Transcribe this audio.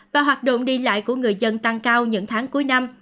và hoạt động đi lại của người dân tăng cao những tháng cuối năm